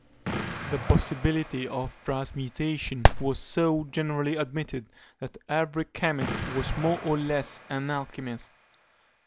The possibility of transmutation was so generally admitted, that every chemist was more or less an alchymist.